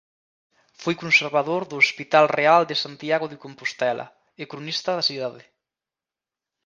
Foi conservador do Hospital Real de Santiago de Compostela e cronista da cidade.